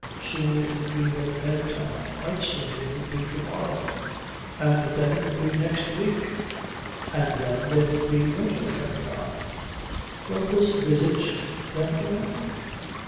Soon it would be their bedtime. Quite soon it would be to morrow. And then it would be next week. And then there would be winter coming on.... Was this visit never to end?